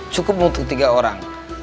makanan untuk tiga orang